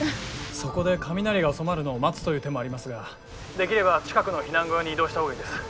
そこで雷が収まるのを待つという手もありますができれば近くの避難小屋に移動した方がいいです。